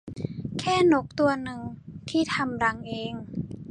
แค่นกตัวหนึ่งที่ทำรังเอง